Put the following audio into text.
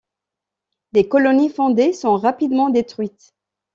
Les colonies fondées sont rapidement détruites.